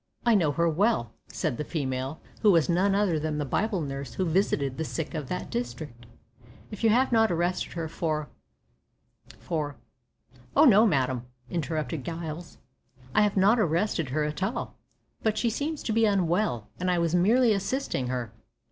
"I know her well," said the female, who was none other than the Bible nurse who visited the sick of that district; "if you have not arrested her for for " "Oh no, madam," interrupted Giles, "I have not arrested her at all, but she seems to be unwell, and I was merely assisting her."